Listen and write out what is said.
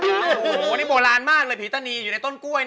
โอ้โหนี่โบราณมากเลยผีตานีอยู่ในต้นกล้วย